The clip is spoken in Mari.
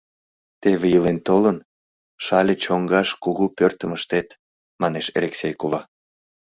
Теве, илен-толын, Шале чоҥгаш кугу пӧртым ыштет, — манеш Элексей кува.